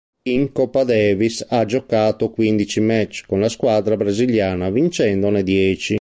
In Coppa Davis ha giocato quindici match con la squadra brasiliana vincendone dieci.